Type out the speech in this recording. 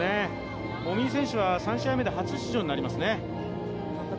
籾井選手は３試合目で初出場になりますね。